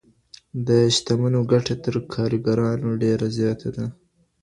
د شتمنو ګټه تر کارګرانو ډیره زیاته وه.